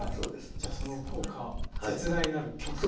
じゃあその効果絶大なる曲を。